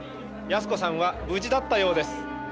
泰子さんは無事だったようです。